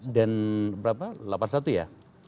berapa delapan puluh satu ya